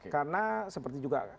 karena seperti juga